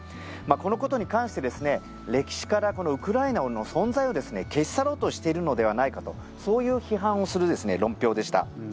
このことに関して歴史からウクライナの存在を消し去ろうとしているのではないかとそういう批判をする論評でした。